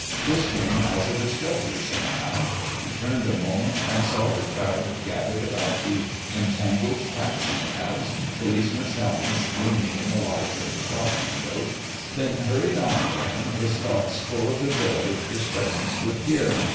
This came as a discovery somehow. He turned a moment, and saw the crowd gathered about the entangled taxicabs, policemen's helmets gleaming in the lights of the shop windows ... then hurried on again, his thoughts full of the joy his presents would give